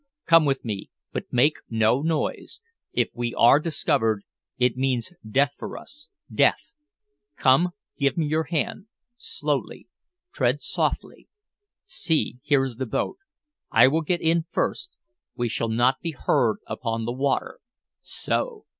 Come with me. But make no noise. If we are discovered, it means death for us death. Come, give me your hand. Slowly. Tread softly. See, here is the boat. I will get in first. We shall not be heard upon the water. So."